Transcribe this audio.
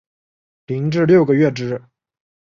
零至六个月之